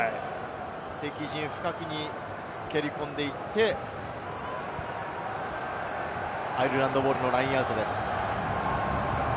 敵陣深くに蹴り込んでいって、アイルランドボールのラインアウトです。